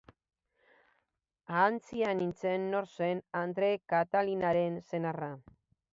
Ahantzia nintzen nor zen andre Katalinaren senarra.